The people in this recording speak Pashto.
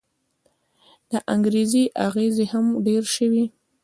د انګرېزي اغېز هم ډېر شوی.